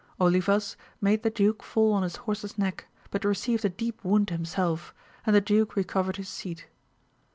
Olivas made the duke fall on his horse's neck, but received a deep wound himself, and the duke recovered his seat.